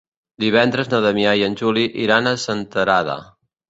Divendres na Damià i en Juli iran a Senterada.